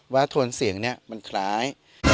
โทนเสียงเนี่ยมันคล้าย